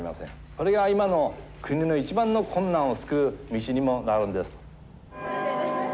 これが今の国の一番の困難を救う道にもなるんです。